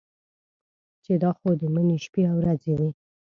چې دا خو د مني شپې او ورځې دي.